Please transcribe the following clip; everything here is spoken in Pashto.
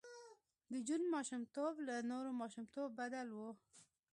د جون ماشومتوب له نورو ماشومانو بدل و